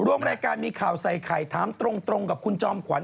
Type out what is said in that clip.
ร่วมรายการมีข่าวใส่ไข่ถามตรงกับคุณจอมขวัญ